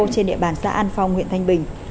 trên địa bàn xã an phong huyện thanh bình